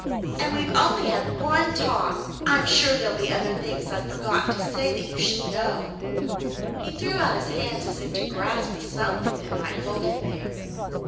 And we've only had one talk I'm sure there'll be other things I've forgotten to say that you should know " He threw out his hands as if to grasp at something that might hold him there.